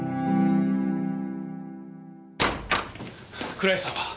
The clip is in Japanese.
倉石さんは？